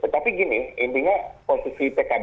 tapi gini intinya posisi pkb